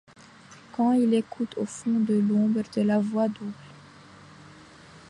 Quand il écoute au fond de l'ombre la voix double